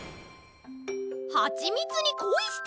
「はちみつにコイして」！？